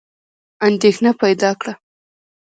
اندېښنه پیدا کړه.